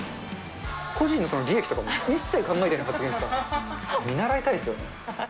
個人の利益とか一切考えてない発言ですからね、見習いたいですよね。